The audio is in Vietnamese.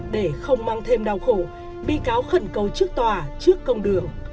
để không mang thêm đau khổ bị cáo khẩn cầu trước tòa trước công đường